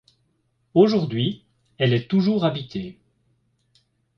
Aujourd'hui, elle est toujours habitée.